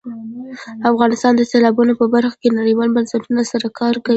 افغانستان د سیلابونو په برخه کې نړیوالو بنسټونو سره کار کوي.